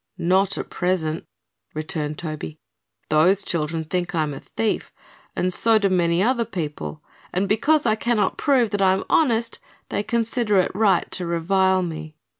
"Not at present," returned Toby. "Those children think I am a thief, and so do many other people, and because I cannot prove that I am honest they consider it right to revile me."